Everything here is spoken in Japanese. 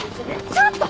ちょっと！